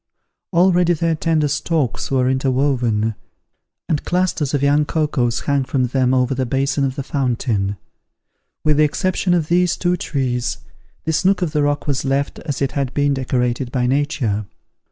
Already their tender stalks were interwoven, and clusters of young cocoas hung from them over the basin of the fountain. With the exception of these two trees, this nook of the rock was left as it had been decorated by nature.